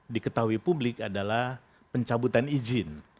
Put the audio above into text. diketahui publik adalah pencabutan izin